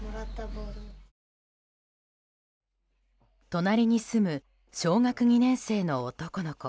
隣に住む小学２年生の男の子。